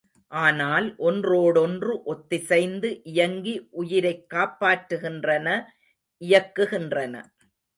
ஆனால் ஒன்றோடொன்று ஒத்திசைந்து இயங்கி உயிரைக் காப்பாற்றுகின்றன இயக்குகின்றன.